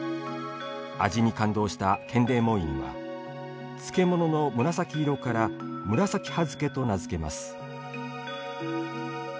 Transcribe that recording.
味に感動した建礼門院は漬物の紫色から「紫葉漬け」と名付けます。